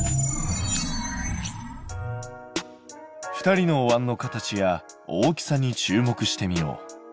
２人のおわんの形や大きさに注目してみよう。